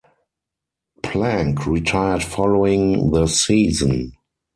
Plank retired following the season.